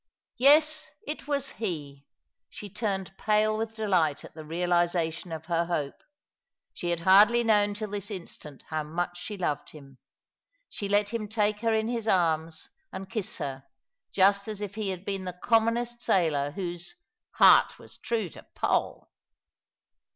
Yes, it was he. She turned pale with delight at the realization of her hope. She had hardly known till this instant how much she loved him. She let him take her in his arms and kiss her, just as if he had been the commonest sailor whose " heart was true to Poll."